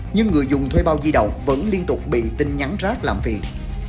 nhưng người dùng thuê bao di động vẫn liên tục bị tin nhắn rác làm việc